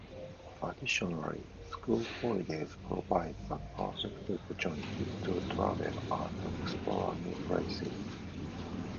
Additionally, school holidays provide the perfect opportunity to travel and explore new places.